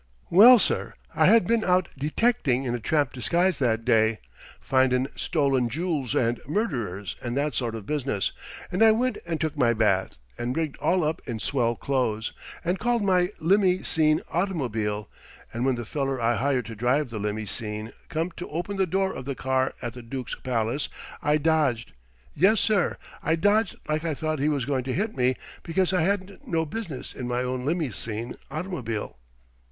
Well, sir, I had been out detecting in a tramp disguise that day findin' stolen jools and murderers and that sort of business and I went and took my bath and rigged all up in swell clothes, and called my limmy seen automobile, and when the feller I hired to drive the limmy seen come to open the door of the car at the Dook's palace I dodged. Yes, sir, I dodged like I thought he was going to hit me because I hadn't no business in my own limmy seen automobile.